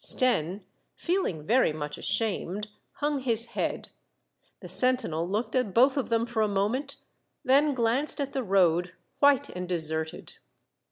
Stenne, feeling very much ashamed, hung his head. The sentinel looked at both of them for a moment, then glanced at the road, white and deserted.